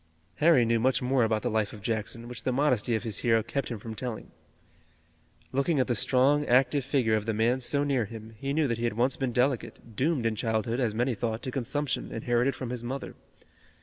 Harry knew much more about the life of Jackson, which the modesty of his hero kept him from telling. Looking at the strong, active figure of the man so near him he knew that he had once been delicate, doomed in childhood, as many thought, to consumption, inherited from his mother.